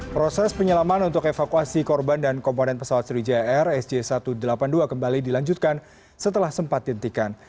proses penyelaman untuk evakuasi korban dan komponen pesawat sriwijaya air sj satu ratus delapan puluh dua kembali dilanjutkan setelah sempat dihentikan